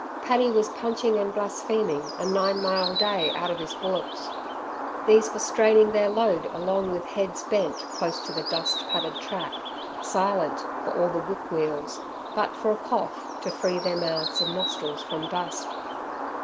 Paddy was punching and blaspheming a nine mile day out of his bullocks. These were straining their load along with heads bent close to the dust padded track, silent, for all the whip weals, but for a cough to free their mouths and nostrils from dust.